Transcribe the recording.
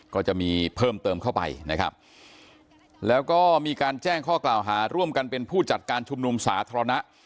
ก็จะมีเพิ่มเติมเข้าไปนะครับแล้วก็มีการแจ้งข้อกล่าวหาร่วมกันเป็นผู้จัดการชุมนุมสาธารณะ